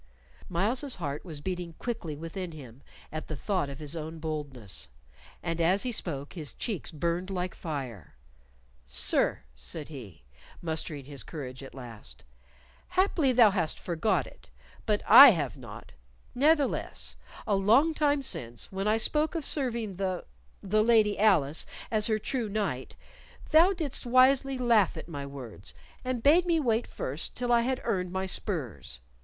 Myles's heart was beating quickly within him at the thought of his own boldness, and as he spoke his cheeks burned like fire. "Sir," said he, mustering his courage at last, "haply thou hast forgot it, but I have not; ne'theless, a long time since when I spoke of serving the the Lady Alice as her true knight, thou didst wisely laugh at my words, and bade me wait first till I had earned my spurs.